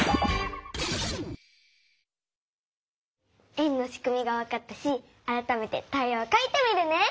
円のしくみがわかったしあらためてタイヤをかいてみるね！